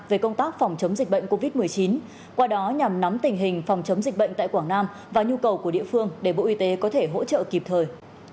về công tác phòng chống dịch bệnh covid một mươi chín qua đó nhằm nắm tình hình phòng chống dịch bệnh tại quảng nam và nhu cầu của địa phương để bộ y tế có thể hỗ trợ kịp thời